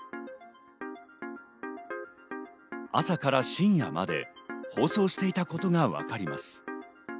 朝から深夜まで放送していたことがわかります。